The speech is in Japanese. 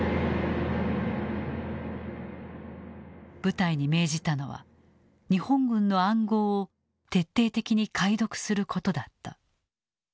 部隊に命じたのは日本軍の暗号を徹底的に解読することだった。